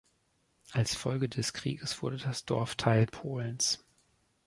Als Folge des Krieges wurde das Dorf Teil Polens.